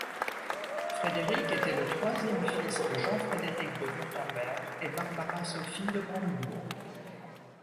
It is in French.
Frédéric était le troisième fils de Jean-Frédéric de Wurtemberg et Barbara-Sophie de Brandebourg.